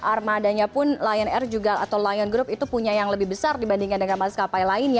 armadanya pun lion air juga atau lion group itu punya yang lebih besar dibandingkan dengan maskapai lainnya